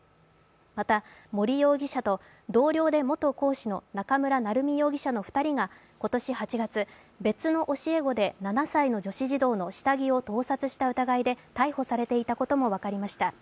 また、森容疑者と同僚で元講師の中村成美容疑者の２人が今年８月、別の教え子で７歳の女子児童の下着を盗撮した疑いで逮捕されていたことも分かりました。